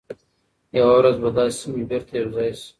یوه ورځ به دا سیمي بیرته یو ځای شي.